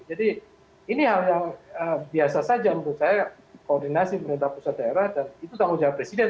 jadi ini hal yang biasa saja menurut saya koordinasi pemerintahan pusat daerah dan itu tanggung jawab presiden